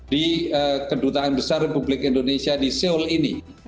di kedutaan besar republik indonesia di seoul ini